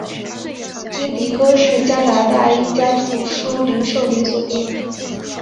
英迪戈是加拿大一家图书零售连锁店。